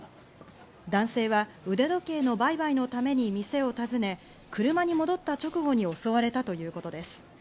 男性は腕時計の売買のために店を訪ね、車に戻った直後に襲われたということです。